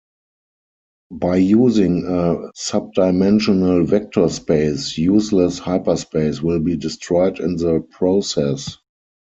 By using a subdimensional vector space useless hyperspace will be destroyed in the process.